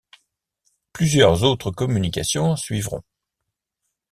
Plusieurs autres communications suivront.